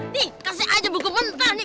nih kasih aja buku mental nih